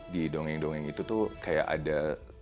di dongeng dongeng itu tuh kayak ada